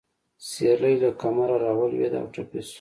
سېرلی له کمره راولوېده او ټپي شو.